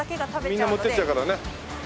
みんな持っていっちゃうからね。